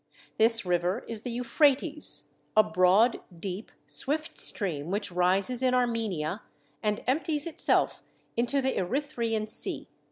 This river is the Euphrates, a broad, deep, swift stream, which rises in Armenia, and empties itself into the Erythraean Sea.